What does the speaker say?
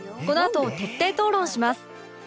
このあと徹底討論します